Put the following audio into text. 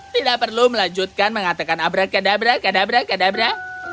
tidak perlu melanjutkan mengatakan abra gadabra gadabra gadabra